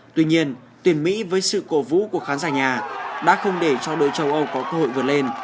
tuy nhiên tuyển mỹ với sự cổ vũ của khán giả nhà đã không để cho đội châu âu có cơ hội vượt lên